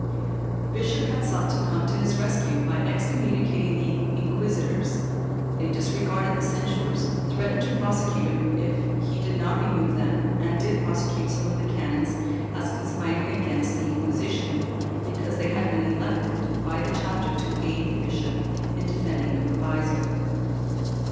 The bishop had sought to come to his rescue by excommunicating the inquisitors; they disregarded the censures, threatened to prosecute him if he did not remove them and did prosecute some of the canons as conspiring against the Inqui sition, because they had been elected by the chapter to aid the bishop in defending the provisor.